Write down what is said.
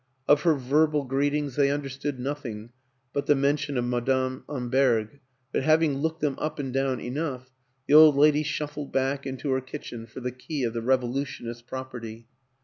Of her verbal greetings they understood nothing but the men tion of Madame Amberg; but, having looked them up and down enough, the old lady shuffled back into her kitchen for the key of the revolu tionist's property.